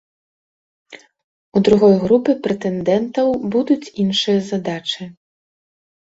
У другой групы прэтэндэнтаў будуць іншыя задачы.